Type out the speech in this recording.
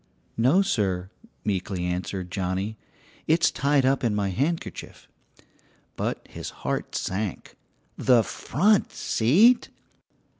"No, sir," meekly answered Johnnie, "it's tied up in my handkerchief." But his heart sank the front seat!